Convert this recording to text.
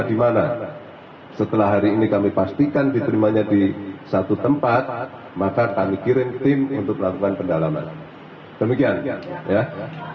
dan belum terjawab sudah